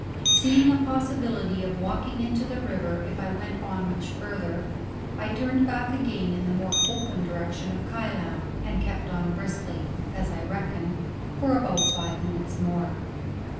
Seeing a possibility of walking into the river if I went on much farther, I turned back again in the more open direction of Kylam, and kept on briskly (as I reckon) for about five minutes more.